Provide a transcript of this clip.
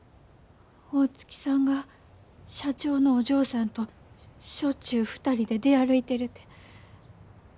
大月さんが社長のお嬢さんとしょっちゅう２人で出歩いてるて。